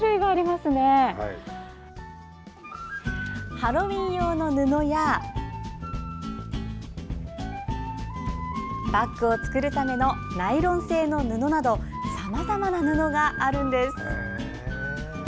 ハロウィーン用の布やバッグを作るためのナイロン製の布などさまざまな布があるんです。